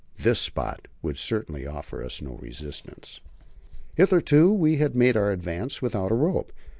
This spot would certainly offer us no resistance. Hitherto we had made our advance without a rope.